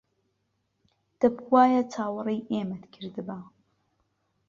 دەبوایە چاوەڕێی ئێمەت کردبا.